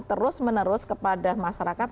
terus menerus kepada masyarakat